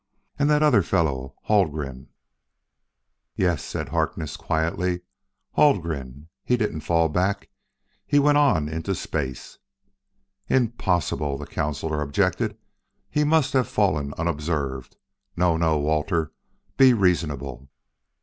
And that other fellow, Haldgren " "Yes," said Harkness quietly, "Haldgren he didn't fall back. He went on into space." "Impossible!" the counsellor objected. "He must have fallen unobserved. No, no, Walter; be reasonable.